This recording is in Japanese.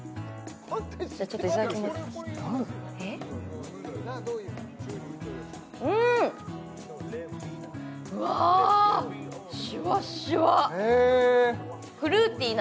じゃあちょっといただきますうんうわへえ